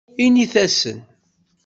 Init-asen.